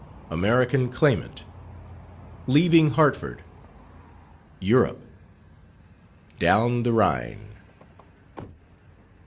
AMERICAN CLAIMANT. LEAVING HARTFORD. EUROPE. DOWN THE RHINE.